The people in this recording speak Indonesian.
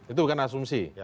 itu bukan asumsi